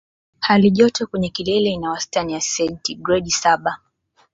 Hali joto kwenye kilele ina wastani ya sentigredi saba